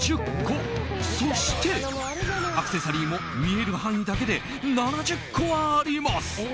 そして、アクセサリーも見える範囲だけで７０個はあります。